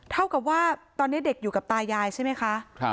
เท่ากับว่าตอนนี้เด็กอยู่กับตายายใช่ไหมคะ